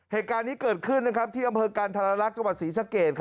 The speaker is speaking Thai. เหตุการณ์นี้เกิดขึ้นที่อำเภอกันธรรลักษณ์จังหวัดศรีสะเกด